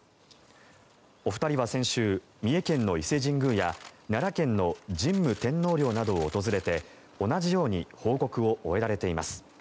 お二人は先週三重県の伊勢神宮や奈良県の神武天皇陵などを訪れて同じように報告を終えられています。